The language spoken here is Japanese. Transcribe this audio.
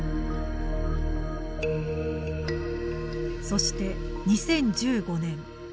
そして２０１５年。